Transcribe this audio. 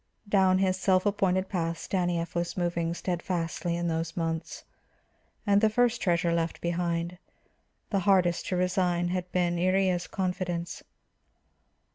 Down his self appointed path Stanief was moving steadfastly in those months. And the first treasure left behind, the hardest to resign, had been Iría's confidence.